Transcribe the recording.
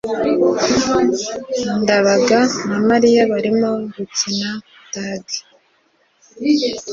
ndabaga na mariya barimo gukina tagi. (spamster